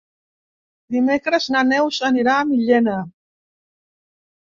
Dimecres na Neus anirà a Millena.